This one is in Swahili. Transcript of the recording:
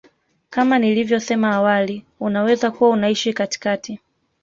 kama nilivyosema awali unaweza kuwa unaishi katikati